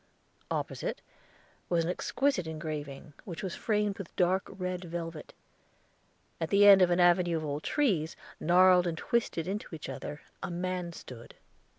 Opposite was an exquisite engraving, which was framed with dark red velvet. At the end of an avenue of old trees, gnarled and twisted into each other, a man stood.